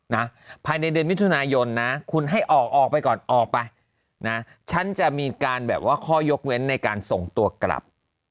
นะภายในเดือนมิถุนายนนะคุณให้ออกออกไปก่อนออกไปนะฉันจะมีการแบบว่าข้อยกเว้นในการส่งตัวกลับ